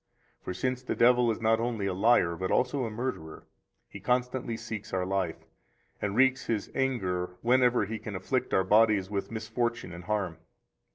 For since the devil is not only a liar, but also a murderer, he constantly seeks our life, and wreaks his anger whenever he can afflict our bodies with misfortune and harm.